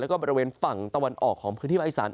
แล้วก็บริเวณฝั่งตะวันออกของพื้นที่ภาคอีสาน